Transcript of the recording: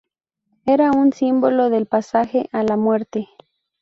Era un símbolo del pasaje a la muerte.